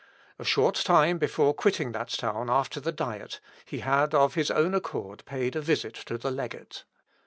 A short time before quitting that town after the Diet, he had of his own accord paid a visit to the legate.